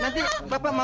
nanti bapak mau